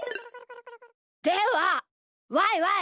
ではワイワイ！